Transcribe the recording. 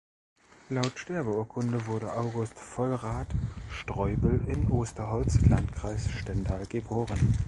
Laut Sterbeurkunde wurde August Vollrath Streubel in Osterholz Landkreis Stendal geboren.